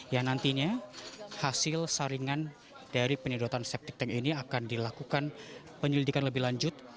yang nantinya hasil saringan dari penyedotan septic tank ini akan dilakukan penyelidikan lebih lanjut